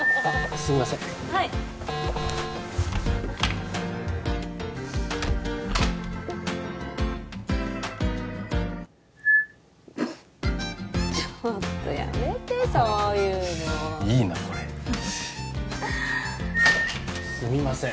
すみませんはいちょっとやめてそういうのいいなこれすみません